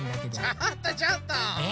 ちょっとちょっと！え？